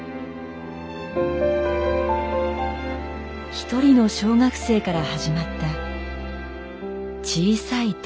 一人の小学生から始まった小さい手のリレー。